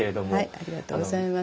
ありがとうございます。